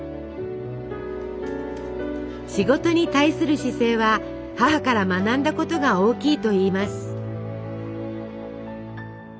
仕事に対する姿勢は母から学んだことが大きいといいます。